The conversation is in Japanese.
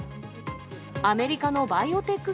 アメリカのバイオテック